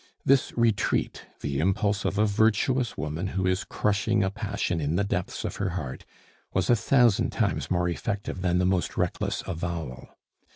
This retreat, the impulse of a virtuous woman who is crushing a passion in the depths of her heart, was a thousand times more effective than the most reckless avowal.